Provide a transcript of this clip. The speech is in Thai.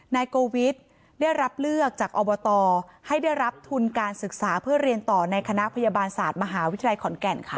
นายโกวิทย์ได้รับเลือกจากอบตให้ได้รับทุนการศึกษาเพื่อเรียนต่อในคณะพยาบาลศาสตร์มหาวิทยาลัยขอนแก่นค่ะ